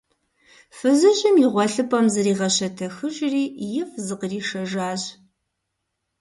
Фызыжьым и гъуэлъыпӀэм зригъэщэтэхыжри, ифӀ зыкъришэжащ.